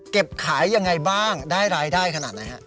เก็บขายยังไงบ้างได้รายได้ขนาดไหนฮะ